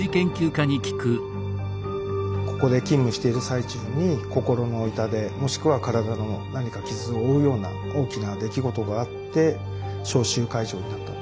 ここで勤務している最中に心の痛手もしくは体の何か傷を負うような大きな出来事があって召集解除になったと。